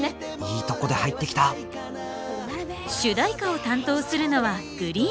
いいとこで入ってきた主題歌を担当するのはＧＲｅｅｅｅＮ。